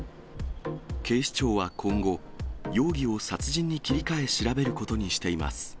警視庁は今後、容疑を殺人に切り替え、調べることにしています。